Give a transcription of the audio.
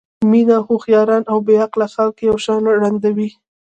مینه هوښیاران او بې عقله خلک یو شان ړندوي.